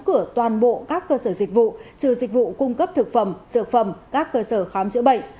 đóng cửa toàn bộ các cơ sở dịch vụ trừ dịch vụ cung cấp thực phẩm dược phẩm các cơ sở khám chữa bệnh